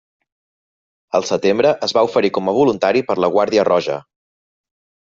Al setembre es va oferir com a voluntari per la Guàrdia Roja.